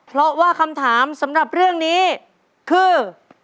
เพราะว่าคำถามสำหรับเรื่องนี้คือ